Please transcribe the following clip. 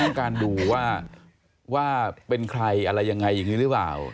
ต้องการดูว่าเป็นใครอะไรยังไงอย่างนี้หรือเปล่า